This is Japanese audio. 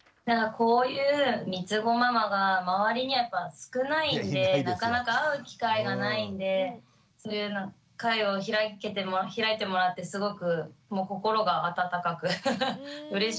こういうみつごママが周りにやっぱ少ないんでなかなか会う機会がないんでそういうような会を開いてもらってすごくもう心が温かくうれしくなりました。